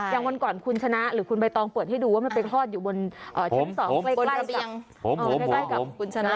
วันก่อนคุณชนะหรือคุณใบตองเปิดให้ดูว่ามันไปคลอดอยู่บนชั้น๒ใกล้กับคุณชนะ